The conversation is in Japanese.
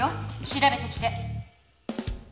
調べてきて！